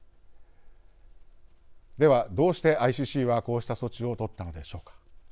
では、どうしてＩＣＣはこうした措置を取ったのでしょうか。